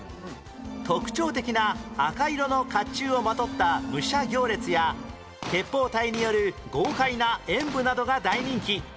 特徴的な赤色の甲冑をまとった武者行列や鉄砲隊による豪快な演武などが大人気